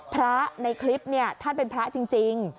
พระในคลิปท่านเป็นพระจริง